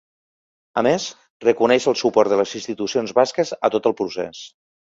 A més, reconeix el suport de les institucions basques a tot el procés.